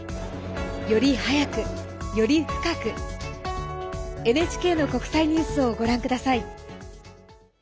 より早く、より深くＮＨＫの国際ニュースをご覧ください。